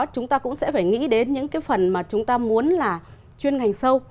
chúng ta cũng sẽ phải nghĩ đến những cái phần mà chúng ta muốn là chuyên ngành sâu